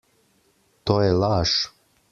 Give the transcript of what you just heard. To je laž!